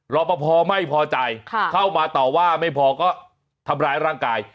รอปภไม่พอใจเข้ามาต่อว่าไม่พอก็ทำร้ายร่างกาย